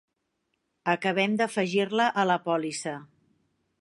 Acabem d'afegir-la a la pòlissa.